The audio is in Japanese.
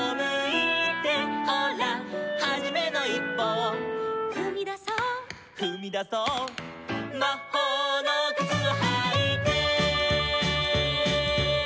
「ほらはじめのいっぽを」「ふみだそう」「ふみだそう」「まほうのくつをはいて」